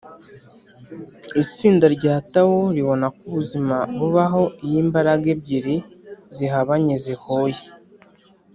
itsinda rya tao ribona ko ubuzima bubaho iyo imbaraga ebyiri zihabanye zihuye,